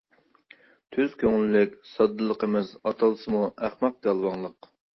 تۈز كۆڭۈللۈك، ساددىلىقىمىز ئاتالسىمۇ ئەخمەق، گالۋاڭلىق.